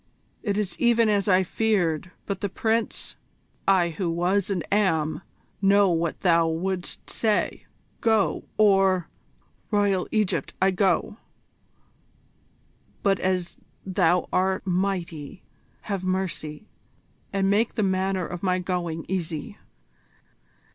It is even as I feared. But the Prince " "I who was and am, know what thou wouldst say. Go, or " "Royal Egypt, I go! But as thou art mighty, have mercy, and make the manner of my going easy."